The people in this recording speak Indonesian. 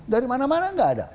dari mana mana nggak ada